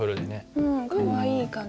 うんかわいい感じ。